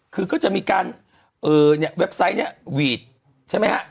คือก็จะมีการเนี่ยเว็บไซต์เนี่ยหวีดใช่ไหมฮะ